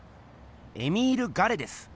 エミール・ガレです。